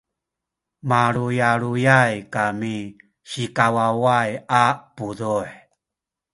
maluyaluyay kami sikawaway a puduh